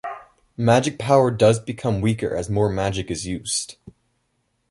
Magic power does become weaker as more magic is used.